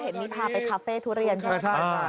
เห็นมีพาไปคาเฟ่ทุเรียนใช่ไหม